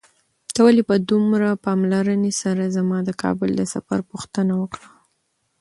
تا ولې په دومره پاملرنې سره زما د کابل د سفر پوښتنه وکړه؟